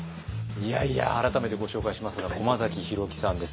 いやいや改めてご紹介しますが駒崎弘樹さんです。